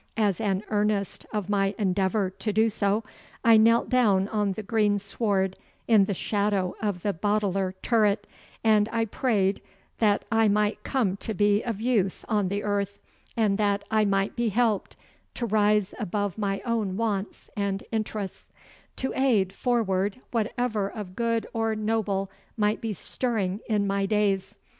As an earnest of my endeavour to do so I knelt down on the green sward, in the shadow of the Boteler turret, and I prayed that I might come to be of use on the earth, and that I might be helped to rise above my own wants and interests, to aid forward whatever of good or noble might be stirring in my days.